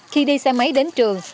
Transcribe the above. khi đi xe máy đến trường